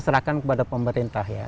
terutama juga kegiatan pemerintah ya